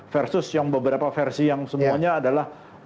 versus yang beberapa versi yang semuanya adalah